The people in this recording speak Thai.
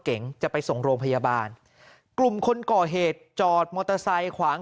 เก๋งจะไปส่งโรงพยาบาลกลุ่มคนก่อเหตุจอดมอเตอร์ไซค์ขวาง